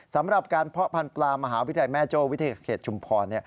สำหรับการเพาะพันธุปลามหาวิทยาลัยแม่โจ้วิทยาเขตชุมพร